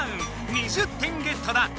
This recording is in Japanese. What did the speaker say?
２０点ゲットだ。